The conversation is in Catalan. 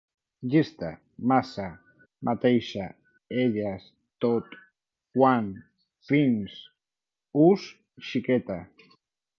Llista: massa, mateixa, elles, tot, quan, fins, ús, xiqueta